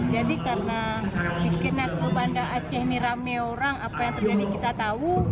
jadi karena bikinnya ke bandar aceh ini rame orang apa yang terjadi kita tahu